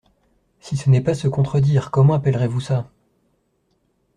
Si ce n’est pas se contredire, Comment appellerez-vous ça ?